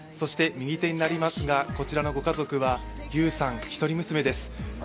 右手になりますが、こちらのご家族はユウさん、一人娘です。